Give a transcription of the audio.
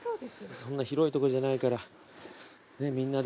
そんな広いとこじゃないからねっみんなで。